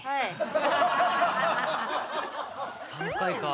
３回か。